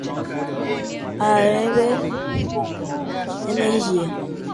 Arembepe Energia